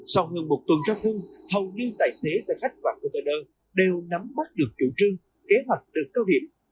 sau hơn một tuần trao thương hầu như tài xế xe khách và container đều nắm mắt được chủ trương kế hoạch được cao hiểm